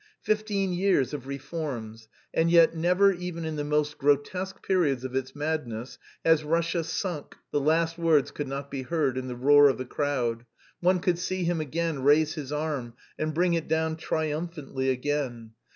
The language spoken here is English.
Fifteen years of reforms! And yet never even in the most grotesque periods of its madness has Russia sunk..." The last words could not be heard in the roar of the crowd. One could see him again raise his arm and bring it down triumphantly again.